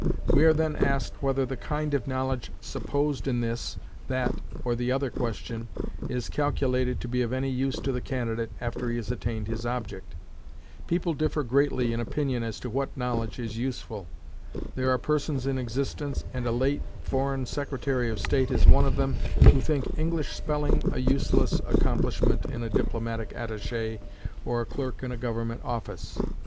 We are then asked whether the kind of knowledge supposed in this, that, or the other question, is calculated to be of any use to the candidate after he has attained his object. People differ greatly in opinion as to what knowledge is useful. There are persons in existence, and a late Foreign Secretary of State is one of them, who think English spelling a useless accomplishment in a diplomatic attaché or a clerk in a government office.